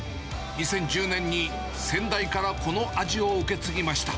２０１０年に先代からこの味を受け継ぎました。